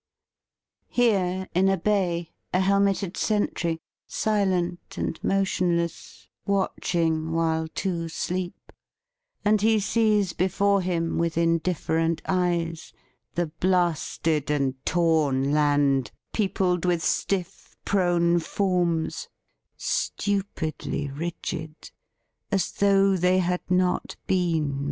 Here in a bay, a helmeted sentry Silent and motionless, watching while two sleep, And he sees before him With indifferent eyes the blasted and torn land Peopled with stiff prone forms, stupidly rigid, As tho' they had not been men.